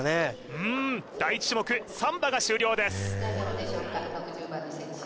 うーん第１種目サンバが終了です